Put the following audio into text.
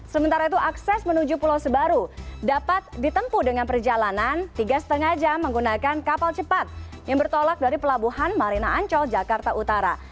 sementara itu akses menuju pulau sebaru dapat ditempu dengan perjalanan tiga lima jam menggunakan kapal cepat yang bertolak dari pelabuhan marina ancol jakarta utara